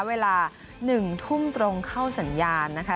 เวลา๑ทุ่มตรงเข้าสัญญาณนะคะ